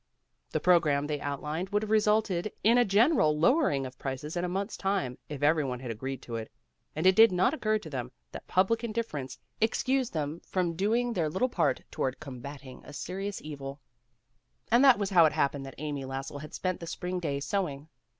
The program they outlined would have resulted in a general lowering of prices in a month's time if every one had agreed to it. And it did not occur to them that public indifference ex WHAT'S IN A NAME? cused them from doing their little part toward combating a serious evil. That was how it happened that Amy Lassell had spent the spring day sewing.